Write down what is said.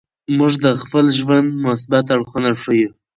موږ د خپل ژوند مثبت اړخونه ښیو.